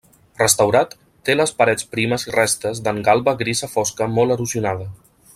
Restaurat, té les parets primes i restes d'engalba grisa fosca molt erosionada.